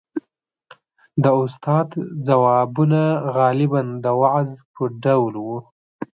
• د استاد ځوابونه غالباً د وعظ په ډول وو.